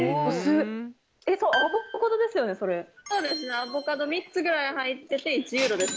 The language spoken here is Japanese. アボカド３つぐらい入ってて１ユーロですね。